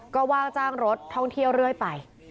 ก็ว่าจ้างรถท่องเที่ยวเรื่อยไป